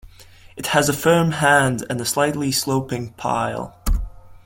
It has a firm hand and a slightly sloping pile.